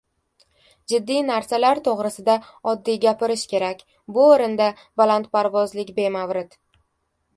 Jiddiy narsalar to‘g‘risida oddiy gapirish kerak: bu o‘rinda balanparvozlik bemavrid;